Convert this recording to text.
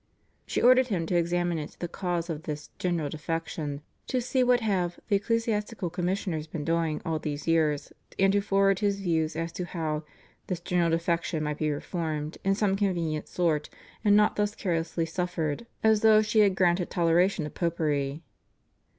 She ordered him to examine into the causes of "this general defection," to see what have the Ecclesiastical Commissioners been doing all these years, and to forward his views as to how "this general defection might be reformed, in some convenient sort, and not thus carelessly suffered as though she had granted toleration of Popery."